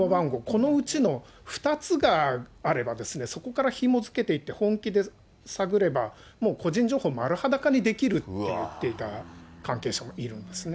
このうちの２つがあればですね、そこからひも付けていって、本気で探れば、もう個人情報丸裸にできるっていっていた関係者もいるんですね。